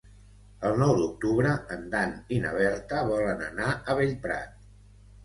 El nou d'octubre en Dan i na Berta volen anar a Bellprat.